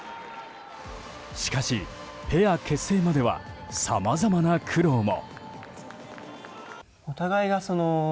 しかし、ペア結成まではさまざまな苦労も。